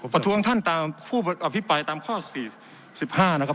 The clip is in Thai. ประท้วงท่านตามผู้อภิปรายตามข้อ๔๕นะครับ